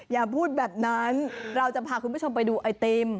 อย่าพูดแบบนั้นเราจะพาคุณผู้ชมไปดูไอติม